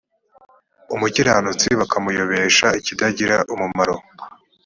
umukiranutsi bakamuyobesha ikitagira umumaro